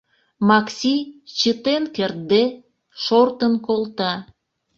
Макси, чытен кертде, шортын колта.